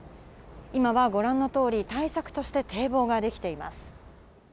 今はご覧のとおり、対策として堤防が出来ています。